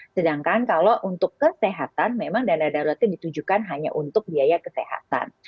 sedangkan kalau untuk kesehatan memang dana daruratnya ditujukan hanya untuk biaya kesehatan